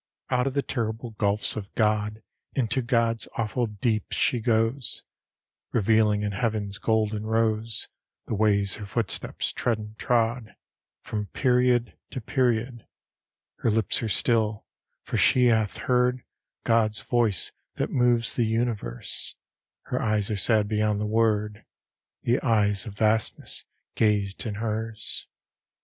Out of the terrible gulfs of God Into God's awful deeps she goes, Revealing in heaven's gold and rose The ways her footsteps tread and trod From period to period: Her lips are still for she hath heard God's voice that moves the universe: Her eyes are sad beyond the word The eyes of Vastness gazed in hers.